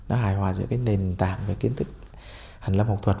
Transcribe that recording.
nó hài hòa giữa cái nền tảng về kiến thức hàn lâm học thuật